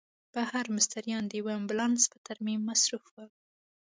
بهر مستریان د یوه امبولانس په ترمیم مصروف ول.